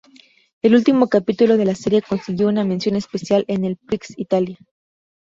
El último capítulo de la serie consiguió una mención especial en el Prix Italia.